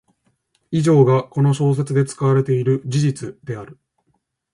室井慎次